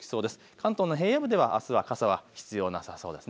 関東の平野部ではあすは傘は必要なさそうですね。